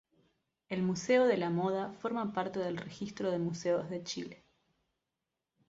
El Museo de la Moda forma parte del Registro de Museos de Chile.